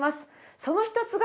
その一つが。